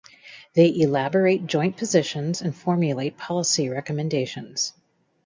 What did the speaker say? They elaborate joint positions and formulate policy recommendations.